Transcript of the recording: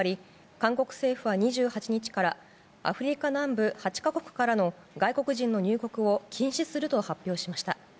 韓国政府は２８日からアフリカ南部８か国からの外国人の入国を禁止すると発表しました。